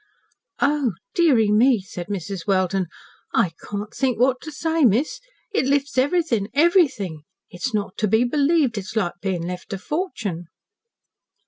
"Oh! Deary me!" said Mrs. Welden. "I can't think what to say, miss. It lifts everythin' everythin'. It's not to be believed. It's like bein' left a fortune."